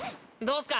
どうっすか？